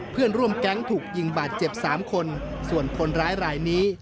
เพื่อนร่วมแก๊งถูกยิงบาดเจ็บสามคนส่วนคนร้ายรายนี้